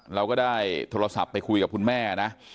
เราก็ได้โทรศัพท์ไปคุยกับคุณแม่นะ